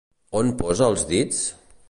On posa els dits?